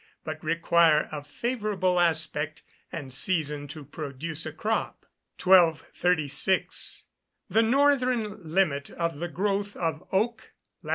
but require a favourable aspect and season to produce a crop. 1236. The northern limit of the growth of oak, lat.